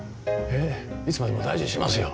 いつまでも大事にしますよ。